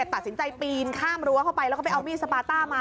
ตัดสินใจปีนข้ามรั้วเข้าไปแล้วก็ไปเอามีดสปาต้ามา